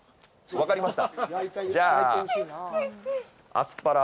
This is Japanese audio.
分かりました。